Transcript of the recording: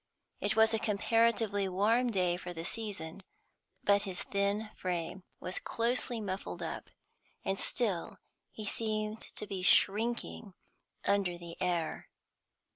It was a comparatively warm day for the season, but his thin frame was closely muffled up, and still he seemed to be shrinking under the air.